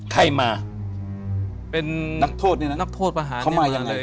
ใครมาเป็นนักโทษเนี่ยนะนักโทษประหารเขามายังไง